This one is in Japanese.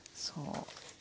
そう。